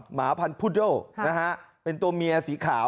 หมาพันธุโดนะฮะเป็นตัวเมียสีขาว